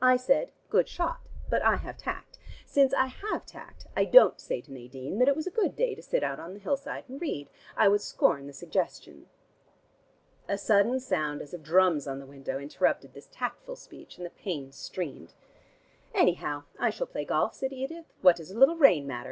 I said 'Good shot.' But I have tact. Since I have tact, I don't say to Nadine that it was a good day to sit out on the hillside and read. I would scorn the suggestion." A sudden sound as of drums on the window interrupted this tactful speech, and the panes streamed. "Anyhow I shall play golf," said Edith. "What does a little rain matter?